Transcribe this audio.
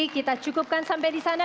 kita cukupkan sampai di sana